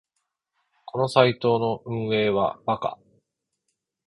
このサイトの運営はバカ